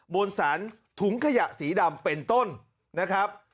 บนสารถุงขยะสีดำเป็นต้นนะครับ